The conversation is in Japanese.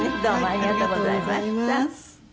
ありがとうございます。